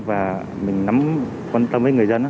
và mình nắm quan tâm với người dân